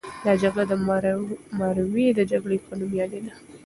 دا جګړه د مروې د جګړې په نوم یادیږي.